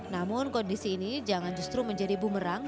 namun kondisi ini jangan justru menjadi bumerang